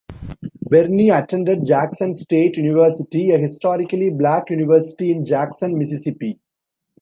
Barney attended Jackson State University, a historically black university in Jackson, Mississippi.